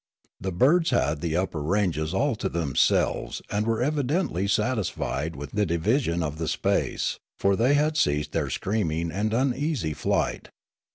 The birds had the upper ranges all to themselves and were evidently satisfied with the division of the space, for the)^ had ceased their screaming and uneasy flight.